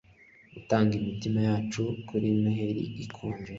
gutanga imitima yacu kuri noheri ikonje